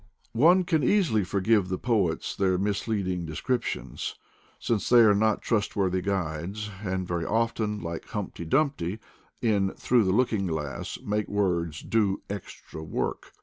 One can easily forgive the poets their misleading descriptions, since they are not trustworthy guides, and very often, like Humpty Dumpty in Through the Looking Glass, make words do " extra work."